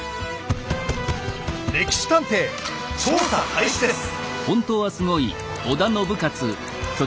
「歴史探偵」調査開始です。